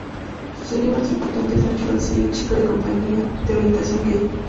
Su serie más importante es "Nacho García, chico de compañía", de orientación gay.